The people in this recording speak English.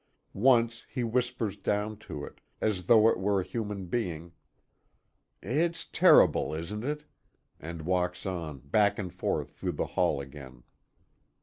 Once, he whispers down to it, as though it were a human being: "It's terrible, isn't it?" and walks on, back and forth, through the hall again.